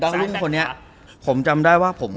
ดาวรุ่งคนเนี่ยผมจำได้ว่าผมเคย